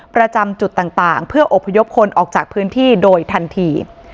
ประจำจุดต่างเพื่ออบพยพคนออกจากพื้นที่โดยทันที